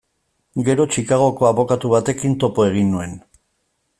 Gero, Chicagoko abokatu batekin topo egin nuen.